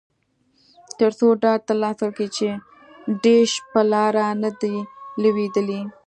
ترڅو ډاډ ترلاسه کړي چې ډیش په لاره نه دی لویدلی